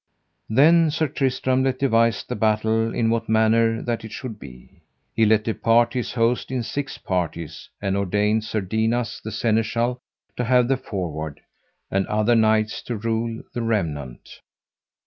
Then Sir Tristram let devise the battle in what manner that it should be. He let depart his host in six parties, and ordained Sir Dinas the Seneschal to have the foreward, and other knights to rule the remnant.